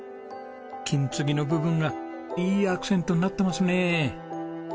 金継ぎの部分がいいアクセントになってますね。